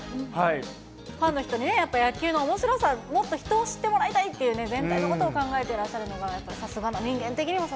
ファンの人もね、おもしろさ、もっと人を知ってもらいたいというね、全体のことを考えてらっしゃるのが、やっぱさすが、人間的